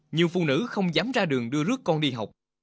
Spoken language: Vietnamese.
nhiều phụ nữ không dám ra đường đưa rước con đi học